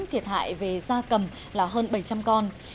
thiệt hại về da cầm là hơn bảy trăm linh con